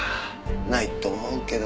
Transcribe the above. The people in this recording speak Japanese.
ないと思うけど。